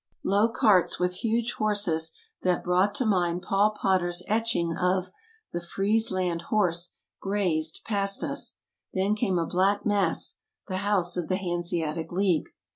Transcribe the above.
Low carts, with huge horses that brought to mind Paul Potter's etching of " The EUROPE 233 Friesland Horse, '' grazed past us. Then came a black mass — the house of the Hanseatic League.